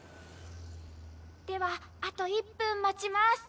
ではあと１分待ちます。